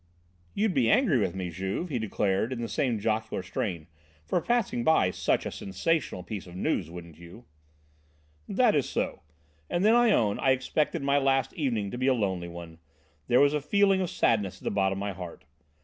"You'd be angry with me, Juve," he declared, in the same jocular strain, "for passing by such a sensational piece of news, wouldn't you?" "That is so. And then I own I expected my last evening to be a lonely one, there was a feeling of sadness at the bottom of my heart.